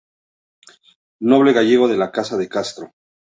Noble gallego de la casa de Castro.